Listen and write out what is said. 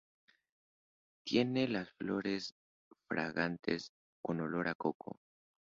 Tiene las flores fragantes con olor a coco.